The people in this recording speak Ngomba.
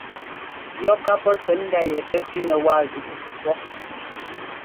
Yɔ ká pɔ́ tsɛ̌ndá yɛ pɛ́ pínɛ wáa zuꞌú pɔ́.